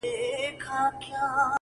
وای هسې نه چي تا له خوبه و نه باسم-